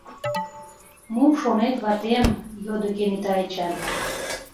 — Мом шонет, ватем? — йодо кенета Эчан.